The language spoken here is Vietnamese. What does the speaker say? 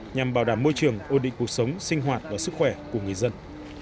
nhằm bảo đảm môi trường ô định cuộc sống sinh hoạt và sức khỏe của người dân